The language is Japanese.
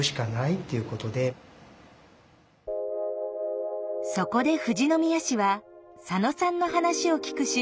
そこで富士宮市は佐野さんの話を聞く集会を定期的に開催。